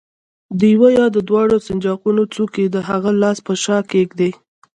د یوه یا دواړو سنجاقونو څوکې د هغه لاس په شا کېږدئ.